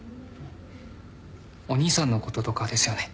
お兄さんのこととかですよね。